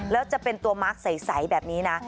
แล้วจะเป็นตัวมาร์คใสแบบนี้นะ